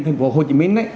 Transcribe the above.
thành phố hồ chí minh